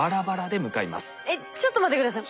えっちょっと待って下さい。